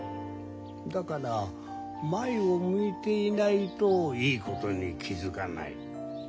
だから前を向いていないといいことに気付かない。